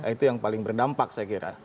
itu yang paling berdampak saya kira